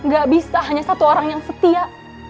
gak bisa hanya satu orang yang setia